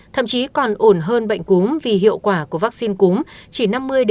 thậm chí còn ổn hơn bệnh cúm vì hiệu quả của vaccine cúm chỉ năm mươi sáu mươi